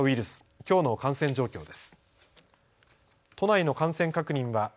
きょうの感染状況です。